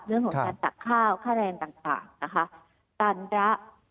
เรื่องของการตักข้าวค่าแรงต่างนะคะตันระ